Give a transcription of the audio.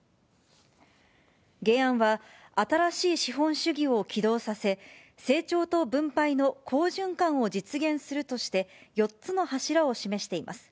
原案は、新しい資本主義を起動させ、成長と分配の好循環を実現するとして、４つの柱を示しています。